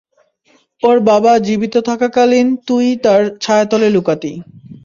ওর বাবা জীবিত থাকাকালীন, তুই তার ছায়াতলে লুকাতি।